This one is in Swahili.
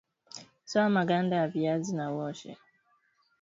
Toa maganda ya viazi na uoshe